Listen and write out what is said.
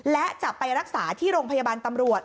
และจะไปรักษาที่โรงพยาบาลตำรวจ